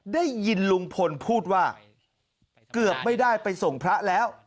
ได้ยินลุงพลพูดว่าเกือบไม่ได้ไปส่งพระแล้ว